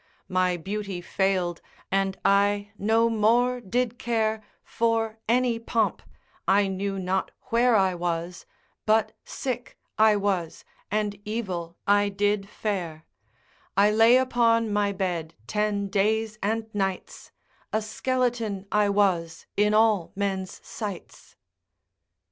My beauty fail'd, and I no more did care For any pomp, I knew not where I was, But sick I was, and evil I did fare; I lay upon my bed ten days and nights, A skeleton I was in all men's sights.